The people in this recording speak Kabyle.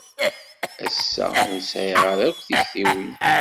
Ass-a, ur sɛiɣ ara akk tiktiwin.